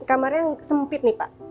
kamarnya sempit nih pak